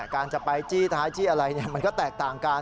การจะไปจี้ท้ายจี้อะไรมันก็แตกต่างกัน